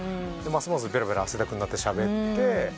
ますますべらべら汗だくになってしゃべって。